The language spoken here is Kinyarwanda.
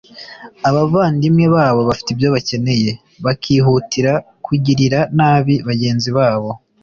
abavandimwe babo bafite ibyo bakeneye bakihutira kugirira nabi bagenzi babo